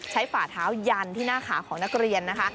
ฝ่าเท้ายันที่หน้าขาของนักเรียนนะคะ